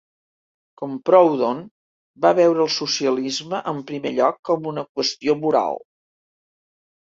Com Proudhon, va veure el socialisme en primer lloc com una qüestió moral.